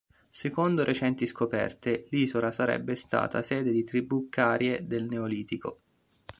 Secondo recenti scoperte, l'isola sarebbe stata sede di tribù carie nel Neolitico.